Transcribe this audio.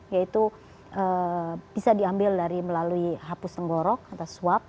yaitu bisa diambil dari melalui hapus tenggorok atau suap